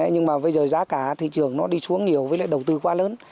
nhưng mà bây giờ giá cả thị trường nó đi xuống nhiều với lại đầu tư quá lớn